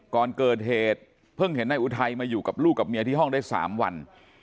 ก่อนเกิดเหตุเพิ่งเห็นนายอุทัยมาอยู่กับลูกกับเมียที่ห้องได้๓วัน